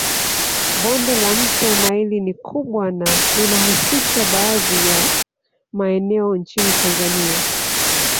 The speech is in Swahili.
Bonde la mto naili ni kubwa na linahusisha baadhi ya maeneo nchini Tanzania